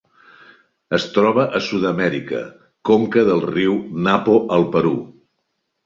Es troba a Sud-amèrica: conca del riu Napo al Perú.